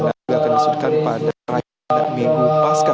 dan juga akan disuruhkan pada raya minggu pasca